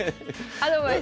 アドバイス。